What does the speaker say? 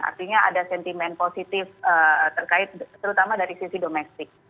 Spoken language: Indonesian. artinya ada sentimen positif terkait terutama dari sisi domestik